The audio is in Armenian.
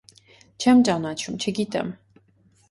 - Չեմ ճանաչում, չգիտեմ: